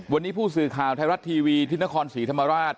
วันนี้ผู้สื่อข่าวไทยรัฐทีวีที่นครศรีธรรมราช